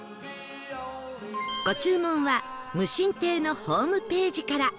ご注文は夢心亭のホームページから